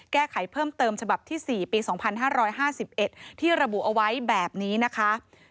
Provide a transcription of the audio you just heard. แก้ไขเพิ่มเติมฉบับที่๔ปี๒๕๕๑ที่ระบุเอาไว้แบบนี้นะคะ